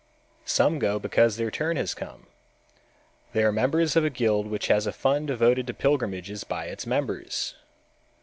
Some go because their turn has come. They are members of a guild which has a fund devoted to pilgrimages by its members.